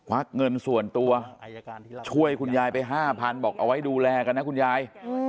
วักเงินส่วนตัวช่วยคุณยายไป๕๐๐๐บอกเอาไว้ดูแลกันนะคุณยาย